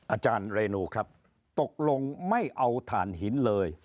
อาจารย์เรนูครับตกลงไม่เอาถ่านหินเลย